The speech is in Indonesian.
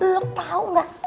lu tahu nggak